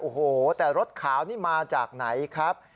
โอ้โหแต่รถขาวนี่มาจากไหนครับ